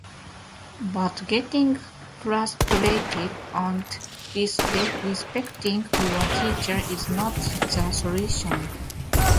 But getting frustrated and disrespecting your teacher is not the solution.